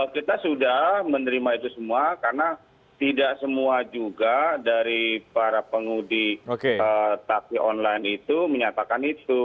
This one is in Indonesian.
kita sudah menerima itu semua karena tidak semua juga dari para pengudi taksi online itu menyatakan itu